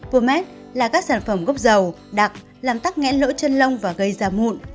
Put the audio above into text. format là các sản phẩm gốc dầu đặc làm tắc nghẽn lỗ chân lông và gây ra mụn